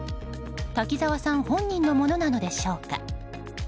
滝沢さん本人のものなのでしょうか。